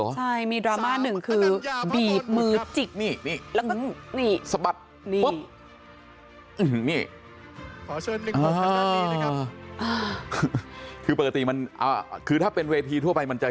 ใช่มีดราม่าหนึ่งคือบีบมือจิกนี่แล้วก็นี่สะบัด